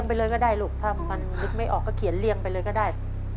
นึกไม่ออกก็เขียนเลี้ยงไปเลยก็ได้